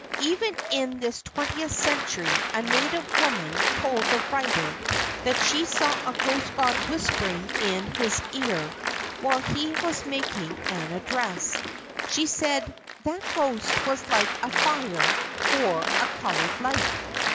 Even in this twentieth century a native woman told the writer that she saw a ghost god whispering in his ear while he was making an address. She said, "That ghost was like a fire or a colored light."